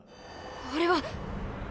あれは！